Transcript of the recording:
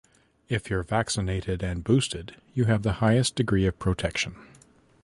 If you’re vaccinated and boosted you have the highest degree of protection.